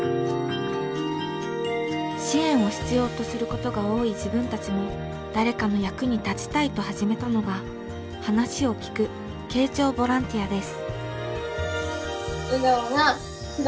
支援を必要とすることが多い自分たちも誰かの役に立ちたいと始めたのが話を聴く「傾聴ボランティア」です。